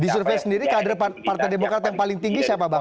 di survei sendiri kader partai demokrat yang paling tinggi siapa bang